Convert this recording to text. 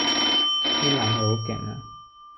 啲冷氣好勁呀